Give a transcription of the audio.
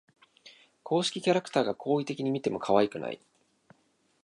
公式キャラクターが好意的に見てもかわいくない